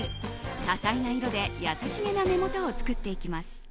多彩な色で優しげな目元を作っていきます。